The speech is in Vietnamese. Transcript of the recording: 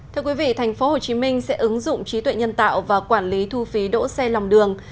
thưa quý vị tp hcm sẽ ứng dụng trí tuệ nhân tạo và quản lý thu phí đỗ xe lòng đường